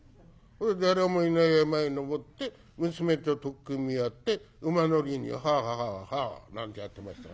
「誰もいない山へ登って娘と取っ組み合って馬乗りに」なんてやってましたがね。